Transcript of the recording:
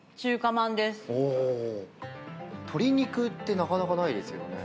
鶏肉ってなかなかないですよね。